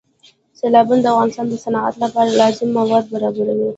سیلابونه د افغانستان د صنعت لپاره لازم مواد برابروي.